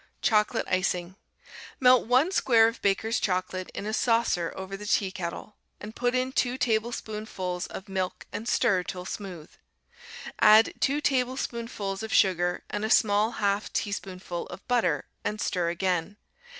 Chocolate Icing Melt one square of Baker's chocolate in a saucer over the teakettle, and put in two tablespoonfuls of milk and stir till smooth. Add two tablespoonfuls of sugar and a small half teaspoonful of butter, and stir again.